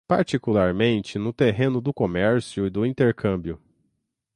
particularmente no terreno do comércio e do intercâmbio